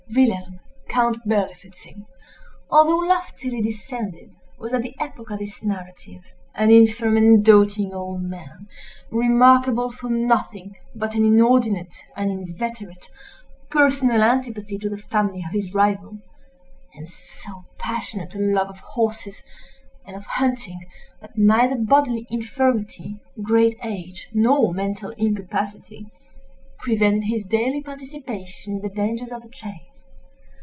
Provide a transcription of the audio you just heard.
Wilhelm, Count Berlifitzing, although loftily descended, was, at the epoch of this narrative, an infirm and doting old man, remarkable for nothing but an inordinate and inveterate personal antipathy to the family of his rival, and so passionate a love of horses, and of hunting, that neither bodily infirmity, great age, nor mental incapacity, prevented his daily participation in the dangers of the chase.